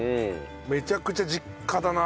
めちゃくちゃ実家だな。